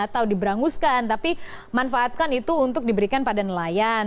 atau diberanguskan tapi manfaatkan itu untuk diberikan pada nelayan